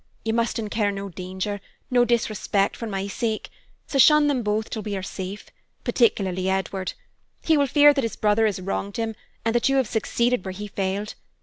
You must incur no danger, no disrespect for my sake; so shun them both till we are safe particularly Edward. He will feel that his brother has wronged him, and that you have succeeded where he failed.